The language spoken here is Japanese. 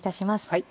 はい。